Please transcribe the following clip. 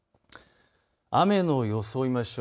雨の予想を追いましょう。